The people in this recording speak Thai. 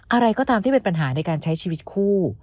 อะไรก็ตามที่เป็นปัญหาในการใช้ชีวิตคู่